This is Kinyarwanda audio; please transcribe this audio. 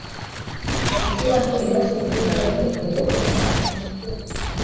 Gushyiraho imashini zitanga peteroli